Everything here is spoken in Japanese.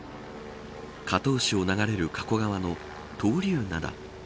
加東市を流れる加古川の闘竜灘。